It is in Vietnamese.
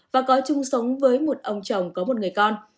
và có chung sống với một ông chồng có một người con